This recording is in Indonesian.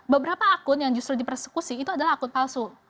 beberapa akun yang justru dipersekusi itu adalah akun palsu